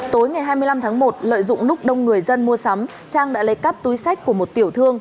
tối ngày hai mươi năm tháng một lợi dụng lúc đông người dân mua sắm trang đã lấy cắp túi sách của một tiểu thương